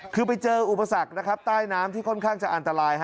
คือไปเจออุปสรรคนะครับใต้น้ำที่ค่อนข้างจะอันตราย